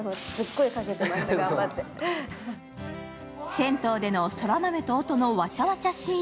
銭湯での空豆と音のわちゃわちゃシーン。